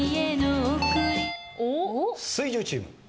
水１０チーム。